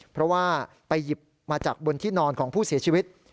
เพราะว่าไปหยิบมาจากบนที่นอนของผู้เสียชีวิต